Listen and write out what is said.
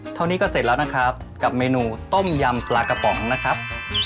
เท่านี้ก็เสร็จแล้วนะครับกับเมนูต้มยำปลากระป๋องนะครับ